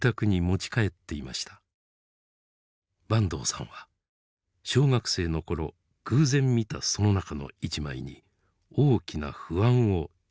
坂東さんは小学生の頃偶然見たその中の一枚に大きな不安を抱きます。